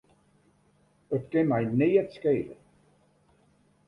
It kin my neat skele.